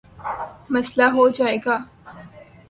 مسلہ ہو جائے گا۔